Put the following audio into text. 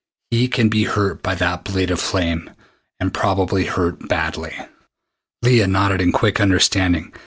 He can be hurt by that blade of flame, and probably hurt badly." Leah nodded in quick understanding.